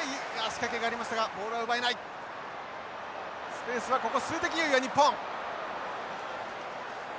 スペースはここ数的優位は日本。